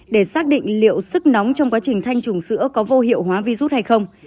để xác định liệu sức nóng trong quá trình thanh trùng sữa có vô hiệu hóa virus hay không